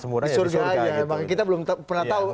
murah ya di surga kita belum pernah tahu